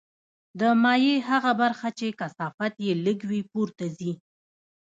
د مایع هغه برخه چې کثافت یې لږ وي پورته ځي.